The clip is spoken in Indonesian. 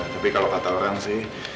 tapi kalau kata orang sih